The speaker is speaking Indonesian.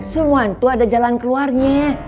semua tuh ada jalan keluarnya